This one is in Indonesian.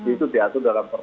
itu diatur dalam perwira